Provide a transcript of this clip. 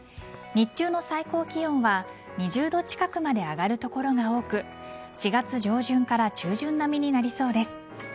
日中の最高気温は２０度近くまで上がる所が多く４月上旬から中旬並みになりそうです。